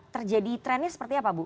terjadi trennya seperti apa bu